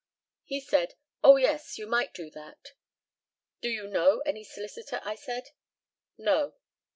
He said, "Oh, yes, you might do that." "Do you know any solicitor?" I said, "No."